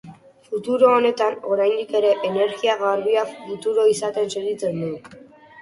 Futuro honetan oraindik ere energia garbia futuro izaten segitzen du.